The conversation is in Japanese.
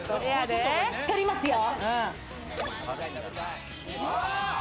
撮りますよ。